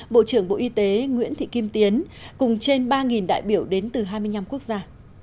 bộ trưởng bộ y tế nguyễn thị kim tiến cùng trên ba đại biểu đến từ hai mươi năm quốc gia